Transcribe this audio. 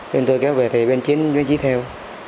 bên tôi kéo về thì bên chiến mới dí theo